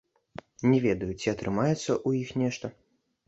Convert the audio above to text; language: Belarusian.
Не ведаю, ці атрымаецца ў іх нешта.